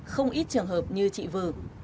không ít trường hợp như chị vưu